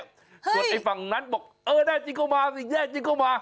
ส่วนไอ้ฝั่งนั้นบอกเออได้จริงเข้ามาแยกจริงเข้ามา